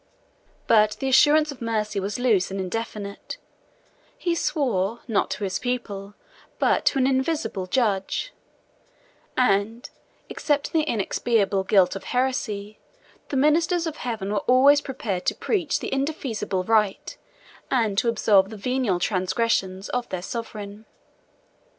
68 But the assurance of mercy was loose and indefinite: he swore, not to his people, but to an invisible judge; and except in the inexpiable guilt of heresy, the ministers of heaven were always prepared to preach the indefeasible right, and to absolve the venial transgressions, of their sovereign.